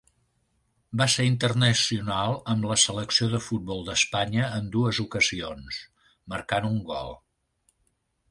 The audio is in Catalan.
Va ser internacional amb la selecció de futbol d'Espanya en dues ocasions, marcant un gol.